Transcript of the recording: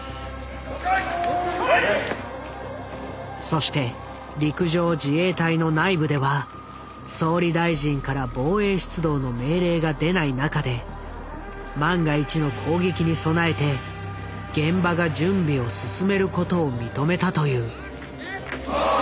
そして陸上自衛隊の内部では総理大臣から防衛出動の命令が出ない中で万が一の攻撃に備えて現場が準備を進めることを認めたという。